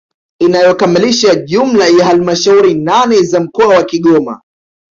inayokamilisha jumla ya halmashauri nane za mkoa wa Kigoma